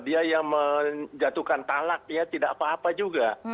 dia yang menjatuhkan talak ya tidak apa apa juga